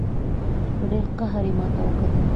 په ډېر قهر یې ماته وکتل.